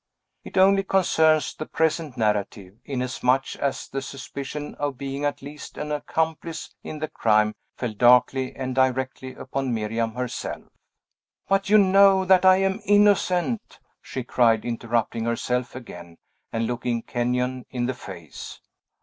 It only concerns the present narrative, inasmuch as the suspicion of being at least an accomplice in the crime fell darkly and directly upon Miriam herself. "But you know that I am innocent!" she cried, interrupting herself again, and looking Kenyon in the face.